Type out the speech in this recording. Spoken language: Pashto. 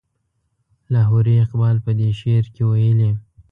لاهوري اقبال په دې شعر کې ویلي.